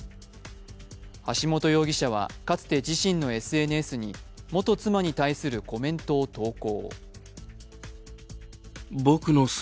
橋本容疑者はかつて自身のＳＮＳに元妻に対するコメントを投稿。